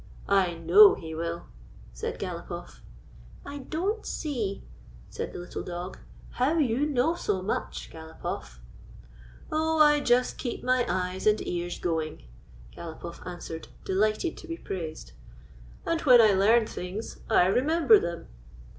" I know he will," said GalopofF. " I don't see," said the little dog, " how you know so much, GalopofF." "Oh, I just keep my eyes and ears going," GalopofF answered, delighted to be praised, "and when I learn things I remember them.